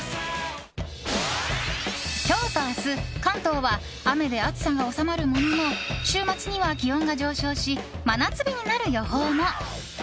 今日と明日、関東は雨で暑さが収まるものの週末には気温が上昇し真夏日になる予報も。